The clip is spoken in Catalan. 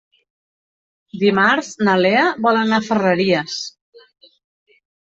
Dimarts na Lea vol anar a Ferreries.